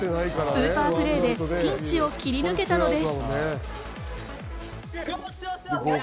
スーパープレーでピンチを切り抜けたのです。